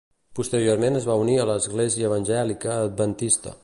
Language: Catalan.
Posteriorment es va unir a l'Església Evangèlica Adventista.